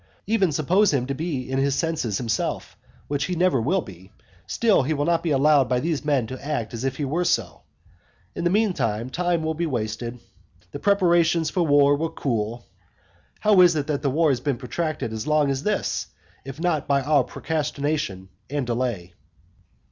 Even suppose him to be in his senses himself, which he never will be; still he will not be allowed by these men to act as if he were so. In the mean time, time will be wasted. The preparations for war will cool. How is it that the war has been protracted as long as this, if it be not by procrastination and delay?